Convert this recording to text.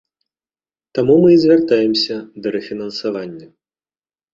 Таму мы і звяртаемся да рэфінансавання.